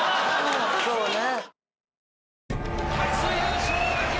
そうね。